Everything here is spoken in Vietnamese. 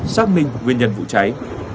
xác minh nguyên nhân vụ cháy